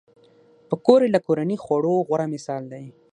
پکورې له کورني خوړو غوره مثال دی